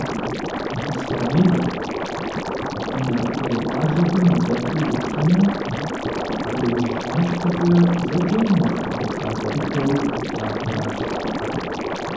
Ислъэмей, Инарыкъуей къуажэхэм удэту уплъэмэ, Дуужь ӏуащхьэкӏэ зэджэр нэхъ бгы лъагэ дыдэу плъагъуращ.